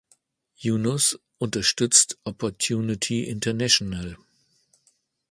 Yunus unterstützt Opportunity International.